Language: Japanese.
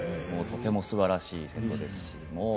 とてもすばらしいセットでした。